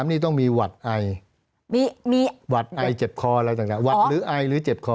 ข้อ๓นี่ต้องมีหวัดไอเจ็บคออะไรต่างหวัดหรือไอหรือเจ็บคอ